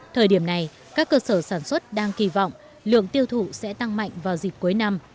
thời điểm này các cơ sở sản xuất đang kỳ vọng lượng tiêu thụ sẽ tăng mạnh vào dịp cuối năm